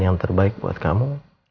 yang terbaik buat kamu